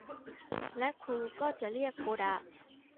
และครูก็จะเรียกโกดะ